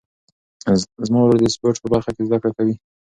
زما ورور د سپورټ په برخه کې زده کړې کوي.